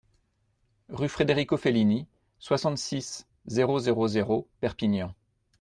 Rue Federico Fellini, soixante-six, zéro zéro zéro Perpignan